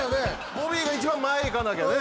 ボビーが一番前いかなきゃね